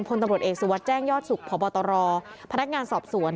พลตำรวจเอกสุวัสดิแจ้งยอดสุขพบตรพนักงานสอบสวน